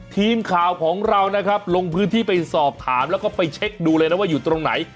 ทีมข่าวของเรานะครับลงพื้นที่ไปสอบถามแล้วก็ไปเช็คดูเลยนะว่าอยู่ตรงไหน